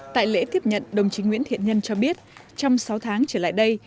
tại lễ tiếp nhận đồng chí nguyễn thiện nhân cho biết trong sáu tháng trở lại đây